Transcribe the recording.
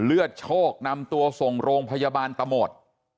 เลือดโชคนำตัวส่งโรงพยาบาลตะโหมด